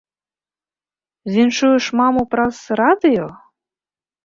Віншуеш маму праз радыё?